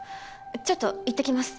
ちょっと行ってきます。